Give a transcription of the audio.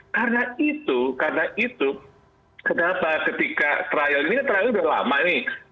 karena itu karena itu kenapa ketika trial ini ini trial sudah lama nih